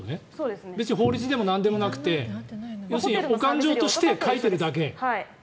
別に法律でもなんでもなくてお勘定として書いてるだけ。